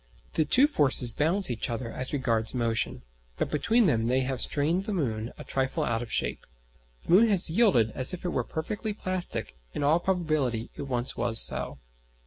The two forces balance each other as regards motion, but between them they have strained the moon a trifle out of shape. The moon has yielded as if it were perfectly plastic; in all probability it once was so.